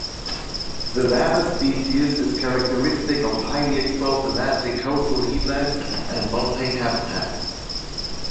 This latter species is characteristic of highly exposed Atlantic coastal heathland and montane habitats.